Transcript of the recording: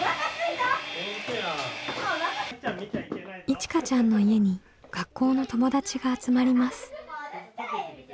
いちかちゃんの家に学校の友達が集まります。